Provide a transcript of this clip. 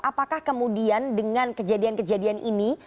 apakah kemudian dengan kejadian kejadian ini